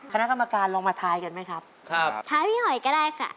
คณะคำแอกาลลองมาทายกันไม่ครับครับพี่หอยก็ได้ค่ะ